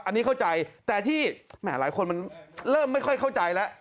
อันนี้เข้าใจแต่ที่แหมหลายคนมันเริ่มไม่ค่อยเข้าใจแล้ว